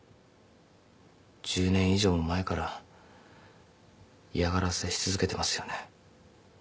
１０年以上も前から嫌がらせし続けてますよね。